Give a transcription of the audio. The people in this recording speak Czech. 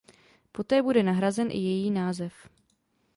Poté bude nahrazen i její název.